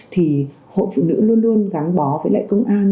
thì hội phụ nữ luôn luôn gắn bó với lại công an